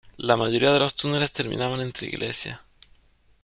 La mayoría de los túneles terminaban entre iglesias.